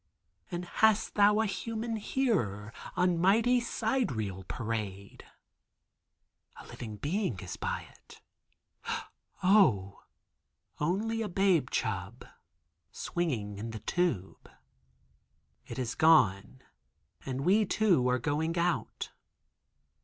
And hast thou a human hearer on mighty sidereal parade?" A living being is by it. (Oh, only a babe chub swinging in the tube.) It is gone, and we too are going out.